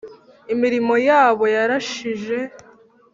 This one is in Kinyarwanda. imirimo yabo yarashije